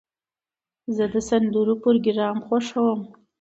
زه د سندرو پروګرام خوښوم.